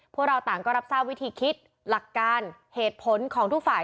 พวกเราต่างก็รับทราบวิธีคิดหลักการเหตุผลของทุกฝ่าย